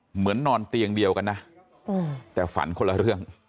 นอนเตียงเดียวกันนะแต่ฝันคนละเรื่อง